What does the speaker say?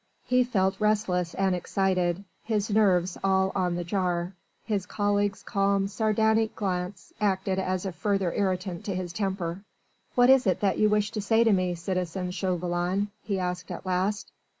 He felt restless and excited his nerves all on the jar: his colleague's calm, sardonic glance acted as a further irritant to his temper. "What is it that you wished to say to me, citizen Chauvelin?" he asked at last.